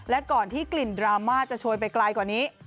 และก่อนที่กลิ่นดราม่าจะโชยไปไกลกว่านี้